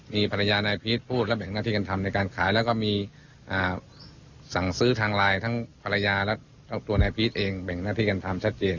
มีภรรยานายพีชพูดและแบ่งหน้าที่กันทำในการขายแล้วก็มีสั่งซื้อทางไลน์ทั้งภรรยาและตัวนายพีชเองแบ่งหน้าที่กันทำชัดเจน